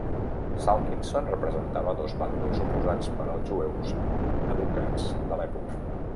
Salkinsohn representava dos bàndols oposats per als jueus educats de l'època.